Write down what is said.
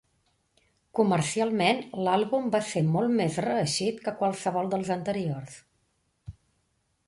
Comercialment l'àlbum va ser molt més reeixit que qualsevol dels anteriors.